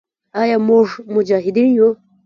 آیا موږ مجاهدین یو؟